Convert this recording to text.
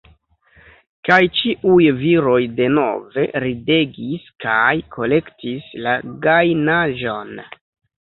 Kaj ĉiuj viroj denove ridegis kaj kolektis la gajnaĵon.